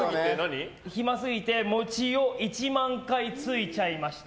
暇すぎて餅を１万回ついちゃいました。